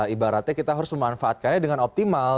ibaratnya kita harus memanfaatkannya dengan optimal